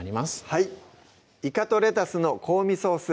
はい「いかとレタスの香味ソース」